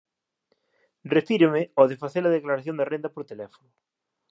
Refírome ó de face-la declaración da renda por teléfono.